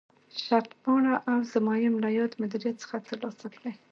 شرطپاڼه او ضمایم له یاد مدیریت څخه ترلاسه کړي.